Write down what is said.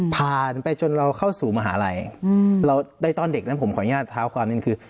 พานไปจนเราเข้าสู่มหาลัยได้ตอนเด็กนะผมขออย่างงี้คือ